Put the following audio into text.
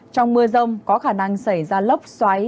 trong mưa rông có khả năng xảy ra lốc xoáy